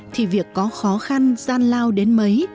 thì việc có khó khăn gian lao đến mấy